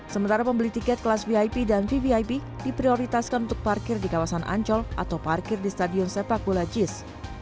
sementara pembeli tiket kelas vip dan vvip diprioritaskan untuk parkir di kawasan ancol atau parkir di stadion sepak bola jis